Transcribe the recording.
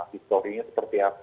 history nya seperti apa